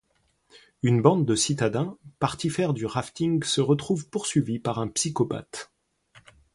Une bande de citadins partis faire du rafting se retrouve poursuivie par un psychopathe.